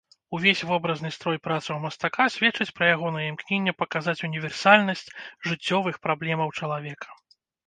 Увесь вобразны строй працаў мастака сведчыць пра ягонае імкненне паказаць універсальнасць жыццёвых праблемаў чалавека.